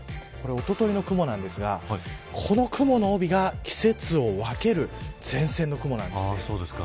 おとといの雲なんですがこの雲の帯が季節を分ける前線の雲なんですね。